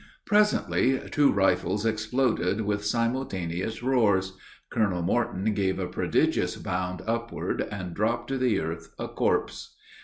Presently two rifles exploded with simultaneous roars. Colonel Morton gave a prodigious bound upward, and dropped to the earth a corpse!